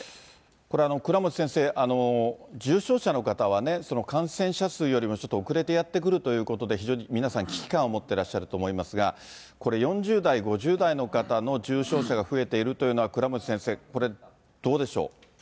これ、倉持先生、重症者の方はね、感染者数よりもちょっと遅れてやってくるということで、非常に皆さん、危機感を持ってらっしゃると思いますが、これ、４０代、５０代の方の重症者が増えているっていうのは、倉持先生、これどうでしょう？